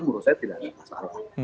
menurut saya tidak ada masalah